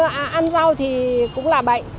không ăn rau thì cũng là bệnh